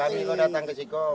kami juga datang ke sini pak